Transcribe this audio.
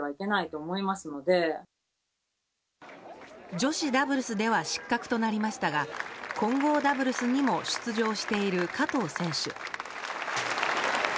女子ダブルスでは失格となりましたが混合ダブルスにも出場している加藤選手。